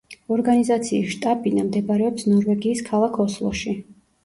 ორგანიზაციის შტაბ-ბინა მდებარეობს ნორვეგიის ქალაქ ოსლოში.